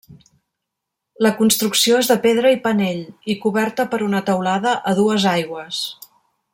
La construcció és de pedra i panell, i coberta per una teulada a dues aigües.